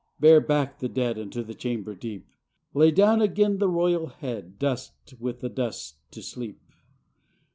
— Bear back the dead Unto the chamber deep! Lay down again the royal head, Dust with the dust to sleep!